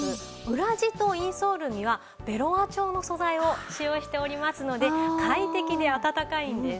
裏地とインソールにはベロア調の素材を使用しておりますので快適であたたかいんです。